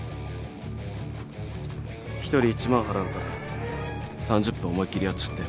一人１万払うから３０分思いっ切りやっちゃって。